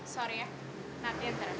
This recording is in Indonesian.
sorry ya nanti ya terus